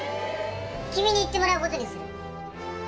君に行ってもらうことにする。